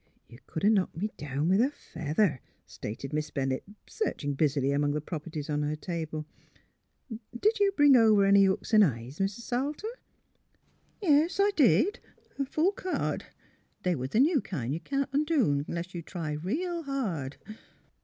*' You c'd 'a' knocked me down with a feather! " stated Miss Bennett, searching busily among the properties on her table. ..." Did you bring over any hooks 'n ' eyes, Mis' Salter! " 174 THE HEAET OF PHILURA " Yes, I did; a full card. They was the new kind you can't undo unless you try real hard."